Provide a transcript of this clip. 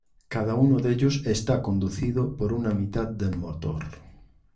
Cada uno de ellos está conducido por una mitad del motor.